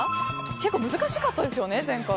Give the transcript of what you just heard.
結構難しかったですよね、前回。